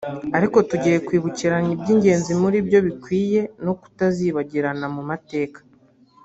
ariko tugiye kwibukiranya iby’ingenzi muri byo bikwiye no kutazibagirana mu mateka